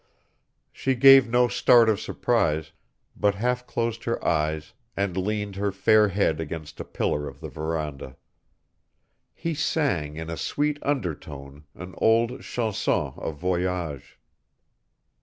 She gave no start of surprise, but half closed her eyes and leaned her fair head against a pillar of the veranda. He sang in a sweet undertone an old chanson of voyage.